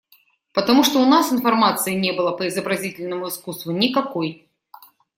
Потому что у нас информации не было по изобразительному искусству никакой.